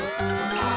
さあ！